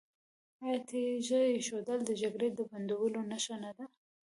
آیا تیږه ایښودل د جګړې د بندولو نښه نه ده؟